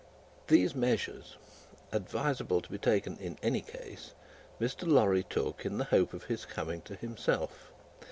These measures, advisable to be taken in any case, Mr. Lorry took in the hope of his coming to himself.